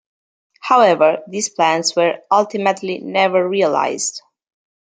However, these plans were ultimately never realised.